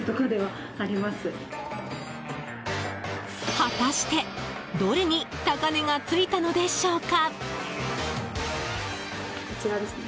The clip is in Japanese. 果たして、どれに高値がついたのでしょうか。